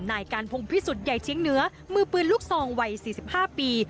นายการพงพิสุทธิ์ใหญ่เชียงเหนือมือปืนลูกซองวัย๔๕ปี